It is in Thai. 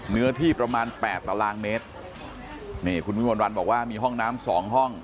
เนื้อที่ประมาณแปดตารางเมตรนี่คุณวิมวลวันบอกว่ามีห้องน้ำสองห้อง